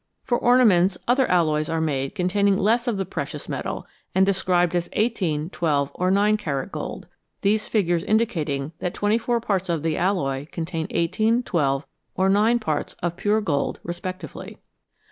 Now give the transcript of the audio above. For ornaments other alloys are made containing less of the precious metal, and described as 18, 12, or 9 carat gold, these figures indicating that 24 parts of the alloy contain 18, 12, or 9 parts of pure gold respectively.